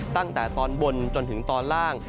ตั้งแต่ตอนบนจนถึงตอนล่าง